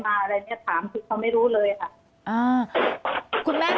อันดับที่สุดท้าย